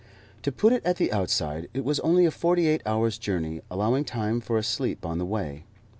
To put it at the outside, it was only a forty eight hours' journey, allowing time for a sleep on the way.